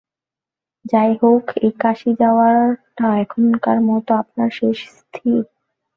যা হউক, এই কাশী যাওয়াটা এখনকার মতো আপনার শেষ স্থির?